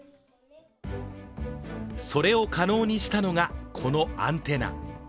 それを可能にしたのがこのアンテナ。